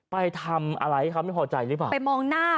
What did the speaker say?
ไปทำอะไรให้เขาไม่พอใจหรือเปล่าไปมองหน้า